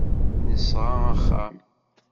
Nesɣa axxam.